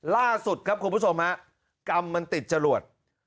ล่าสุดครับคุณผู้ชมฮะกรรมมันติดจรวด